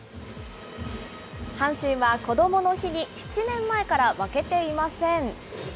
阪神はこどもの日に７年前から負けていません。